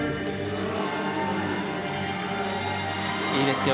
いいですよ。